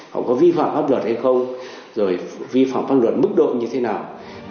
họ có vi phạm pháp luật hay không rồi vi phạm pháp luật mức độ như thế nào